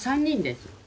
３人です。